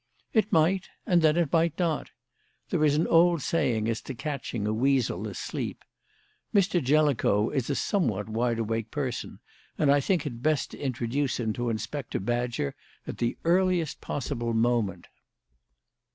"It might; and then it might not. There is an old saying as to catching a weasel asleep. Mr. Jellicoe is a somewhat wide awake person, and I think it best to introduce him to Inspector Badger at the earliest possible moment."